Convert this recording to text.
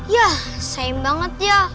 ya same banget ya